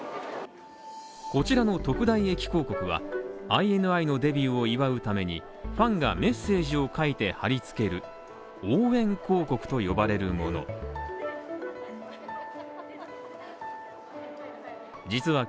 こちらの特大駅広告は、ＩＮＩのデビューを祝うためにファンがメッセージを書いて貼り付ける応援広告と呼ばれるものです。